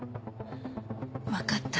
わかった。